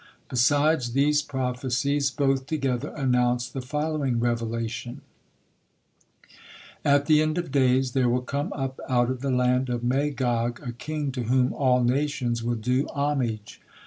Besides these prophecies, both together announced the following revelation: "At the end of days there will come up out of the land of Magog a king to whom all nations will do homage.